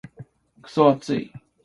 クソ暑い。